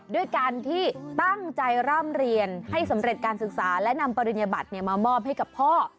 ด้วยการที่ตั้งใจร่ำเรียนให้สำเร็จการศึกษาและนำปริญญบัตรมามอบให้กับพ่อ